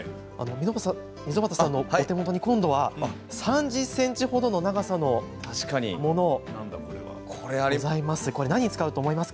溝端さんのお手元に３０ｃｍほどの長さのものがございます。